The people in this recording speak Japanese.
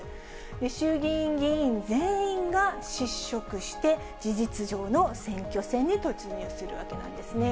衆議院議員全員が失職して、事実上の選挙戦に突入するわけなんですね。